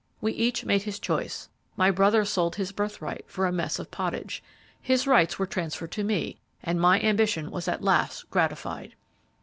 We each made his choice; my brother sold his birthright for a mess of pottage; his rights were transferred to me, and my ambition was at last gratified.